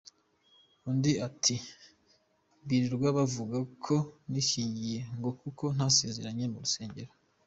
Undi ati “ Birirwa bavuga ko nishyingiye ngo kuko ntasezeranye mu rusengero.